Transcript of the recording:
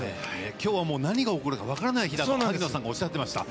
今日は何が起こるかわからない日だって萩野さんがおっしゃっていました。